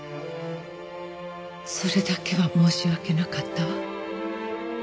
それだけは申し訳なかったわ。